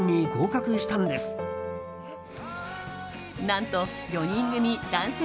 何と、４人組男性